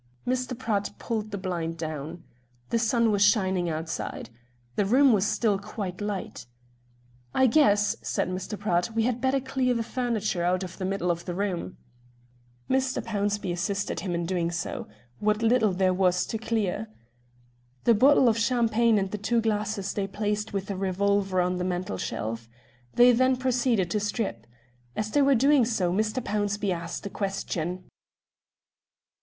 Mr. Pratt pulled the blind down. The sun was shining outside. The room was still quite light. "I guess," said Mr. Pratt, "we had better clear the furniture out of the middle of the room." Mr. Pownceby assisted him in doing so, what little there was to clear. The bottle of champagne and the two glasses they placed with the revolver on the mantelshelf. They then proceeded to strip. As they were doing so Mr. Pownceby asked a question.